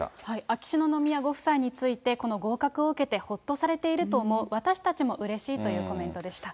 秋篠宮ご夫妻について、この合格を受けて、ほっとされていると思う、私たちもうれしいというコメントでした。